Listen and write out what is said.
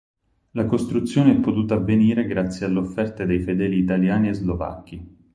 La costruzione è potuta avvenire grazie alle offerte dei fedeli italiani e slovacchi.